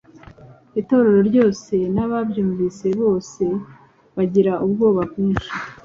Itorero ryose n’ababyumvise bose bagira ubwoba bwinshi.”.